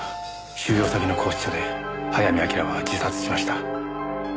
収容先の拘置所で早見明は自殺しました。